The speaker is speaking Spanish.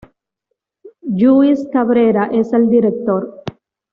Lluís Cabrera es el director.